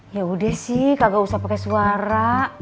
ya udah sih kagak usah pakai suara